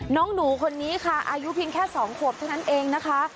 น้องหนูคนนี้ค่ะอายุเพียงแค่๒ขวบเท่านั้นเองนะคะ